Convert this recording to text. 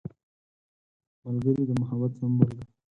ملګری د محبت سمبول دی